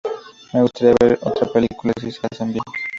Me gustaría ver otra película si se hace bien.